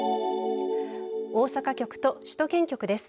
大阪局と首都圏局です。